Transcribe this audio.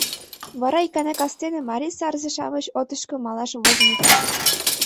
Вара икана кастене марий сарзе-шамыч отышко малаш возыныт.